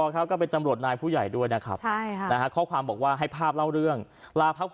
เขาก็เป็นตำรวจนายผู้ใหญ่ด้วยนะครับ